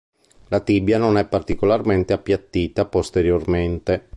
La tibia non è particolarmente appiattita posteriormente.